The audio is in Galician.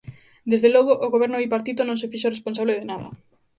Desde logo, o Goberno bipartito non se fixo responsable de nada.